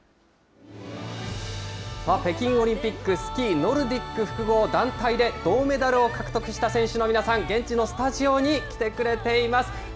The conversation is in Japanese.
北京オリンピック、スキーノルディック複合団体で銅メダルを獲得した選手の皆さん、現地のスタジオに来てくれています。